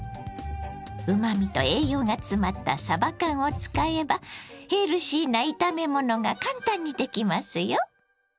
うまみと栄養が詰まったさば缶を使えばヘルシーな炒め物が簡単にできますよ！